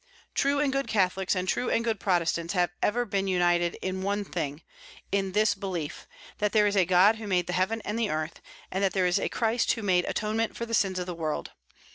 True and good Catholics and true and good Protestants have ever been united in one thing, in this belief, that there is a God who made the heaven and the earth, and that there is a Christ who made atonement for the sins of the world.